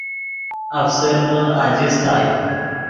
افسرنے اجستائے